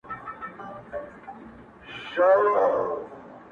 ځيني يې هنر بولي لوړ,